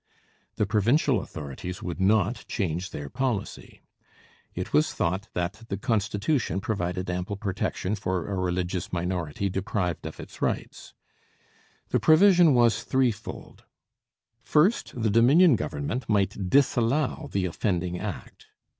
The provincial authorities would not change their policy. It was thought that the constitution provided ample protection for a religious minority deprived of its rights. The provision was three fold. First, the Dominion Government might disallow the offending act.